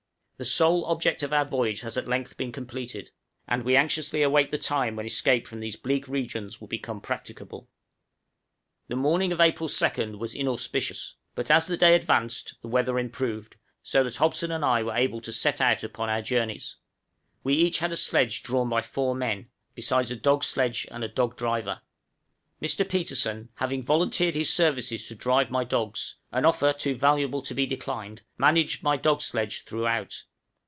The sole object of our voyage has at length been completed, and we anxiously await the time when escape from these bleak regions will become practicable. {APR., 1859.} {THE START.} The morning of April 2nd was inauspicious, but as the day advanced the weather improved, so that Hobson and I were able to set out upon our journeys; we each had a sledge drawn by four men, besides a dog sledge, and dog driver. Mr. Petersen having volunteered his services to drive my dogs, an offer too valuable to be declined managed my dog sledge throughout.